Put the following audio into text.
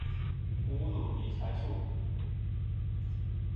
無腦理財術